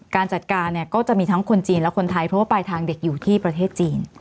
การจัดการเนี่ยก็จะมีทั้งคนจีนและคนไทยเพราะว่าปลายทางเด็กอยู่ที่ประเทศจีน